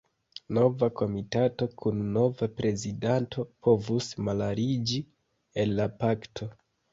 Nova komitato kun nova prezidanto povus malaliĝi el la Pakto.